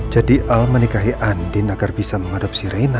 jadi al menikahi andin agar bisa mengadopsi reina